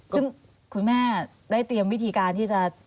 ซึ่งคุณแม่ได้เตรียมวิธีการที่จะ